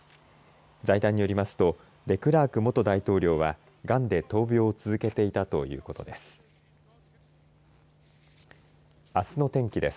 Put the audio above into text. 財団によりますとデクラーク元大統領はがんで闘病を続けていたということです。